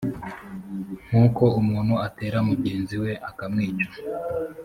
nk uko umuntu atera mugenzi we akamwica